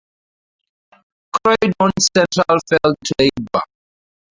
Croydon Central fell to Labour.